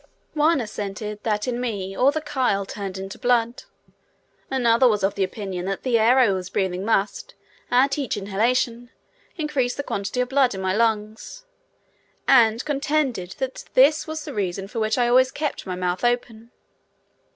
One asserted that in me all the chyle turned into blood; another was of opinion that the air I was breathing must, at each inhalation, increase the quantity of blood in my lungs, and contended that this was the reason for which I always kept my mouth open.